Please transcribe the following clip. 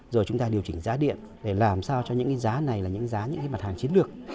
rồi chúng ta điều chỉnh giá điện để làm sao cho những cái giá này là những giá những cái mặt hàng chiến lược